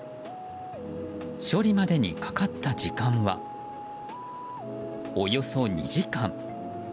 処理までにかかった時間はおよそ２時間。